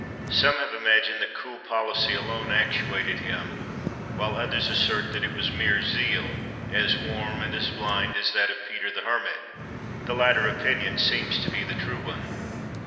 Some have imagined that cool policy alone actuated him; while others assert that it was mere zeal, as warm and as blind as that of Peter the Hermit. The latter opinion seems to be the true one.